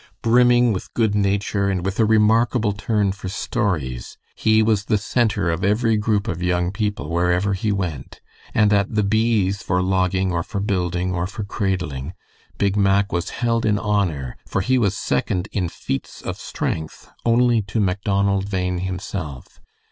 Brimming with good nature, and with a remarkable turn for stories, he was the center of every group of young people wherever he went; and at the "bees" for logging or for building or for cradling, Big Mack was held in honor, for he was second in feats of strength only to Macdonald Bhain himself.